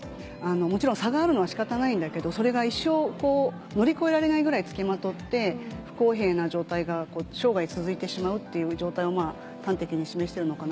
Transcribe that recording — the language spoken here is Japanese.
もちろん差があるのは仕方ないんだけどそれが一生乗り越えられないぐらい付きまとって不公平な状態が生涯続いてしまうっていう状態を端的に示しているのかなと。